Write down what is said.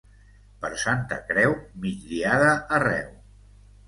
Per Santa Creu, migdiada arreu.